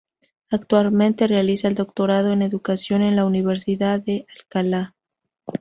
Actualmente realiza el Doctorado en Educación en la Universidad de Alcalá.